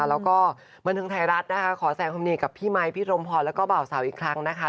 แล้วก็บันเทิงไทยรัฐนะคะขอแสงความดีกับพี่ไมค์พี่รมพรแล้วก็บ่าวสาวอีกครั้งนะคะ